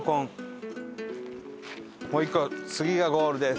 もう１個次がゴールです。